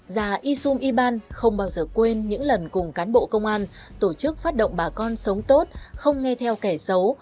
già isum iban không bao giờ quên những lần cùng cán bộ công an tổ chức phát động bà con sống tốt không nghe theo kẻ xấu